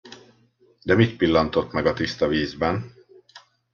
De mit pillantott meg a tiszta vízben?